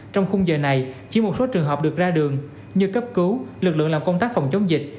trong khung giờ này chỉ một số trường hợp được ra đường như cấp cứu lực lượng làm công tác phòng chống dịch